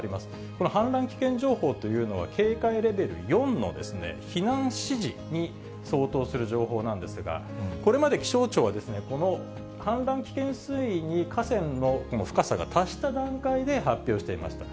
この氾濫危険情報というのは、警戒レベル４の避難指示に相当する情報なんですが、これまで気象庁は、この氾濫危険水位に河川の深さが達した段階で発表していました。